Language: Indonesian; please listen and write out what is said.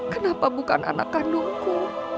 kenapa bukan anak kandungku